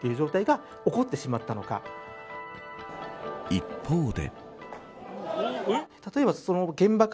一方で。